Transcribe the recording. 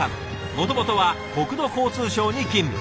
もともとは国土交通省に勤務。